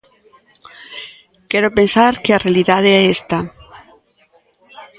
Quero pensar que a realidade é esta.